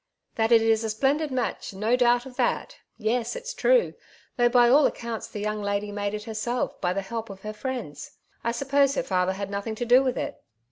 '* That it is a splendid match, no doubt of that ; yes, it's tree, though by all accounts the young lady made it herself by the help of her friends. I suppose her father had nothinir to do with it."